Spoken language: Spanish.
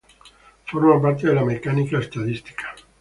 Forma parte de la Mecánica Estadística.